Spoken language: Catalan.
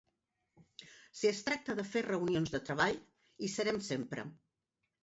Si es tracta de fer reunions de treball, hi serem sempre.